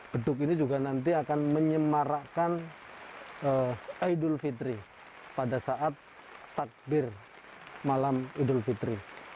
beduk ini juga nanti akan menyemarakkan idul fitri pada saat takbir malam idul fitri